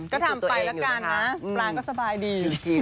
ก็ทำไปแล้วกันนะปลาก็สบายดี